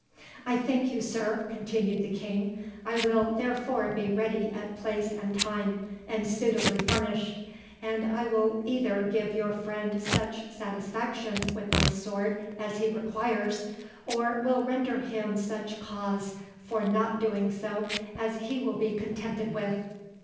"I thank you, sir," continued the King; "I will therefore be ready at place and time, and suitably furnished; and I will either give your friend such satisfaction with my sword as he requires, or will render him such cause for not doing so as he will be contented with."